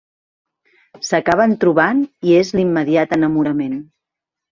S'acaben trobant i és l'immediat enamorament.